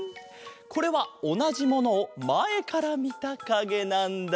これはおなじものをまえからみたかげなんだ。